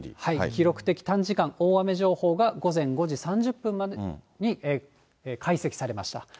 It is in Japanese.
記録的短時間大雨情報が、午前５時３０分までに解析されました。